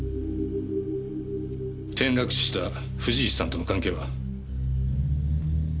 転落死した藤石さんとの関係は？